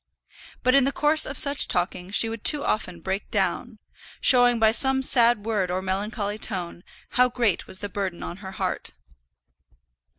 But in the course of such talking she would too often break down, showing by some sad word or melancholy tone how great was the burden on her heart.